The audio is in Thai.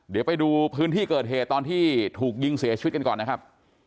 เดี๋ยวไปดูพื้นที่เกิดเหตุตอนที่ถูกยิงเสียชีวิตกันก่อนนะครับ